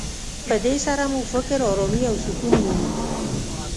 په دې سره مو فکر ارامي او سکون مومي.